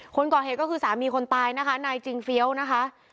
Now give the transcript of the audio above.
คนก่อเหตุก็คือสามีคนตายนะคะนายจริงเฟี้ยวนะคะ